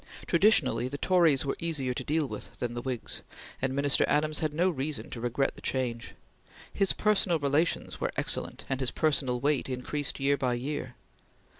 Traditionally the Tories were easier to deal with than the Whigs, and Minister Adams had no reason to regret the change. His personal relations were excellent and his personal weight increased year by year.